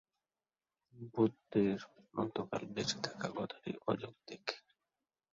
বুদ্ধের অনন্ত কাল বেঁচে থাকা কথাটি অযৌক্তিক।